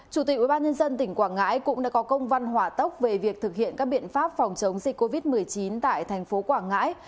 chủ tịch ubnd tỉnh quảng ngãi cũng đã có công văn hỏa tốc về việc thực hiện các biện pháp phòng chống dịch covid một mươi chín tại thành phố quảng ngãi